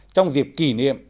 trong dịp kỷ niệm